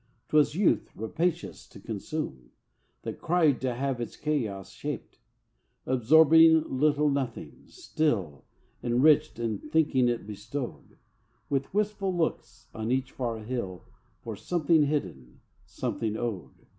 'Twas Youth, rapacious to consume, That cried to have its chaos shaped: Absorbing, little noting, still Enriched, and thinking it bestowed; With wistful looks on each far hill For something hidden, something owed.